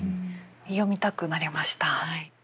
読みたくなりました。